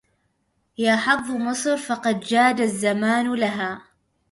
يا حظ مصر فقد جاد الزمان لها